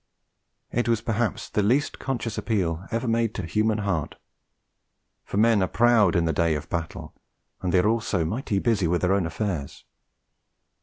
It was perhaps the least conscious appeal ever made to human heart; for men are proud in the day of battle, and they are also mighty busy with their own affairs.